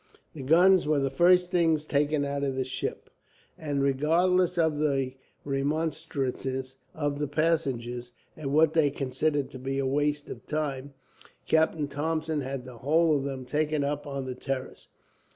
The guns were the first things taken out of the ship, and, regardless of the remonstrances of the passengers at what they considered to be a waste of time, Captain Thompson had the whole of them taken up on the terrace.